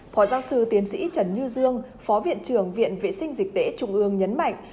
phó giáo sư tiến sĩ trần như dương phó viện trưởng viện vệ sinh dịch tễ trung ương nhấn mạnh